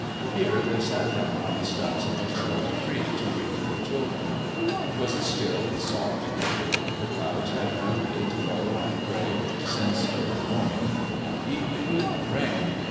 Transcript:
Here they sat down on the stumps of a felled tree to wait for the children. It was a still, soft day. The clouds had brooded low and grey since early morning; at evening it would rain.